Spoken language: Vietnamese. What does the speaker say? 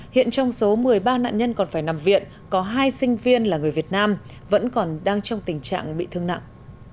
hiện trong số một mươi ba nạn nhân còn phải nằm viện có hai sinh viên là người việt nam vẫn còn đang trong tình trạng bị thương nặng